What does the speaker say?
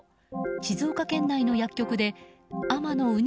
静岡県内の薬局で海女のうに